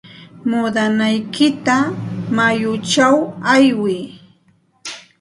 Muudanaykita mayuchaw aywiy.